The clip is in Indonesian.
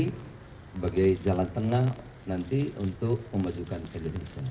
sebagai jalan tengah nanti untuk memajukan kejadian bisa